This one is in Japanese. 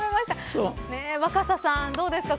若狭さんはどうですか。